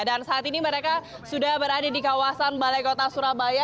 dan saat ini mereka sudah berada di kawasan balai kota surabaya